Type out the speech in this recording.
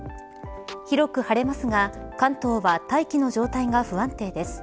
広く晴れますが関東は大気の状態が不安定です。